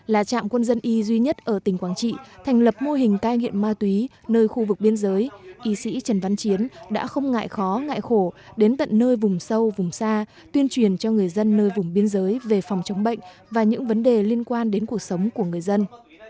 là trạm quân dân y duy nhất ở tỉnh quảng trị thành lập mô hình cai nghiện ma túy nơi khu vực biên giới y sĩ trần văn chiến đã không ngại khó ngại khổ đến tận nơi vùng sâu vùng xa tuyên truyền cho người dân nơi vùng biên giới về phòng chống bệnh và những vấn đề liên quan đến cuộc sống của người dân